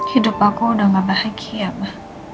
hidup aku udah gak bahagia mah